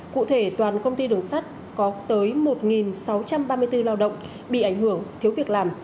cụ thể toàn công ty đường sắt có tới một sáu trăm ba mươi bốn lao động bị ảnh hưởng thiếu việc làm